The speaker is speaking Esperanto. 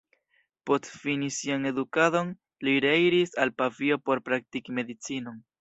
Post fini sian edukadon li reiris al Pavio por praktiki medicinon.